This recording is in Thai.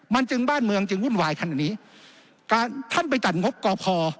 มันจึงบ้านเมืองจึงวุ่นวายขนาดนี้การท่านไปจัดงบก่อพอ